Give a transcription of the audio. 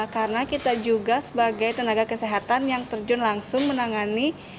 karena kita juga sebagai tenaga kesehatan yang terjun langsung menangani